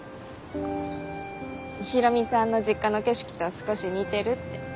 大海さんの実家の景色と少し似てるって。